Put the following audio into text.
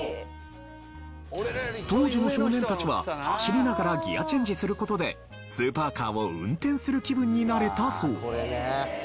当時の少年たちは走りながらギアチェンジする事でスーパーカーを運転する気分になれたそう。